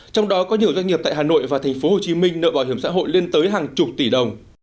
trong đó có nhiều doanh nghiệp tại hà nội và tp hcm nợ bảo hiểm xã hội lên tới hàng chục tỷ đồng